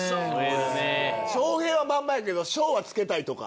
翔平はまんまやけど翔はつけたいとか。